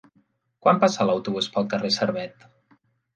Quan passa l'autobús pel carrer Servet?